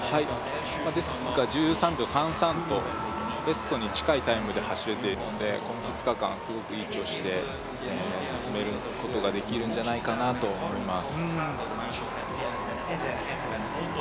１３秒３３とベストに近いタイムで走れているので、この２日間、すごくいい調子で進めることができるんじゃないかなと思います。